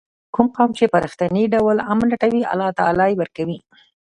کوم قوم چې په رښتیني ډول امن لټوي الله تعالی یې ورکوي.